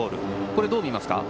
これどう見ますか。